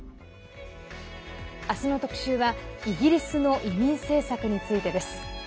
明日の特集はイギリスの移民政策についてです。